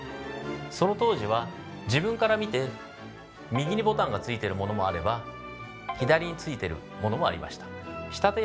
その当時は自分から見て右にボタンが付いてるものもあれば左に付いてるものもありました。